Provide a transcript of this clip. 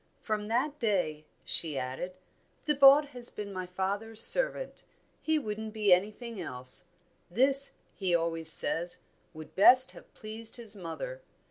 "From that day," she added, "Thibaut has been my father's servant. He wouldn't be anything else. This, he always says, would best have pleased his mother.